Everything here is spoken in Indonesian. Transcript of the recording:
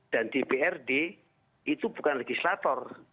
dan dprd itu bukan legislator